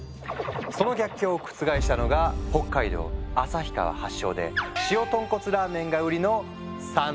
その逆境を覆したのが北海道旭川発祥で塩豚骨ラーメンが売りの「山頭火」。